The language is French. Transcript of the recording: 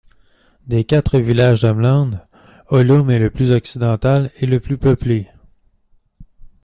Des quatre villages d'Ameland, Hollum est le plus occidental et le plus peuplé.